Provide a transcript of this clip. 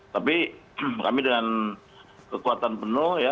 tapi kami dengan kekuatan penuh ya